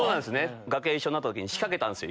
楽屋一緒になった時に仕掛けたんですよ